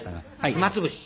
暇つぶし！